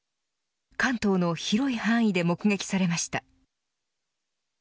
関東の広い範囲で目撃されました。